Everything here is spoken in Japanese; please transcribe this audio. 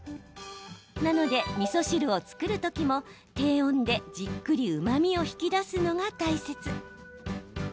なので、みそ汁を作る時も低温でじっくりうまみを引き出すのが大切。